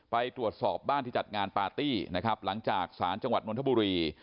ไปตรวจสอบบ้านที่จัดงานปาร์ตี้นะครับหลังจากสารจังหวัดนทบุรี